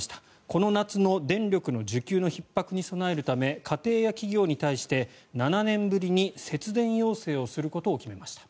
この夏の電力の需給のひっ迫に備えるため家庭や企業に対して７年ぶりに節電要請をすることを決めました。